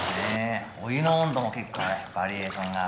お湯の温度も結構バリエーションがあって。